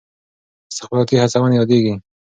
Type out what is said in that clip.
استخباراتي هڅونې یادېږي.